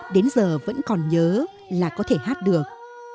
đến giờ vẫn còn nhớ là có thể hát được